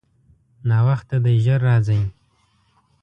ناوخته دی، ژر راځئ.